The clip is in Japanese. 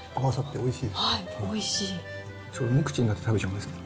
おいしい。